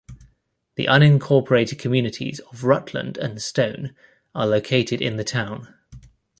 The unincorporated communities of Rutland and Stone are located in the town.